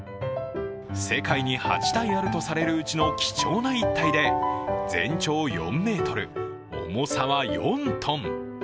世界に８体あるとされるうちの貴重な１体で、全長４ｍ、重さは４ｔ。